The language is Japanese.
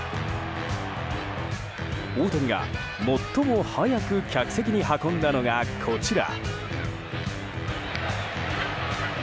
大谷が最も速く客席に運んだのがこちら。